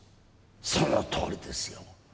そのとおりですよ。